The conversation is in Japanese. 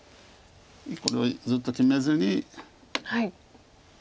これはずっと決めずに。